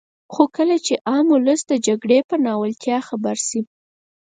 خو کله چې عام ولس د جګړې په ناولتیا خبر شي.